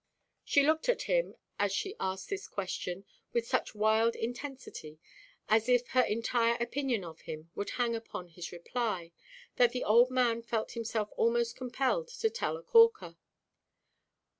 She looked at him, as she asked this question, with such wild intensity, as if her entire opinion of him would hang upon his reply, that the old man felt himself almost compelled to tell "a corker."